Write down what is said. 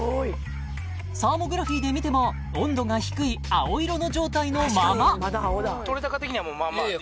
サーモグラフィーで見ても温度が低い青色の状態のままいやいや